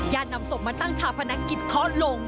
อย่านำศพมาตั้งชาพนักกิจคอนลง